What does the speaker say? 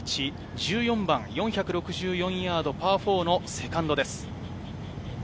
１４番、４６４ヤード、パー４のセカンドです。